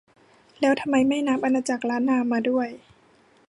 แล้วทำไมไม่นับอาณาจักรล้านนามาด้วย